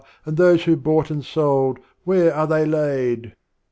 And those who bought and sold, where are they laid?